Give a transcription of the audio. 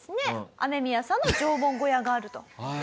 アメミヤさんの縄文小屋があると。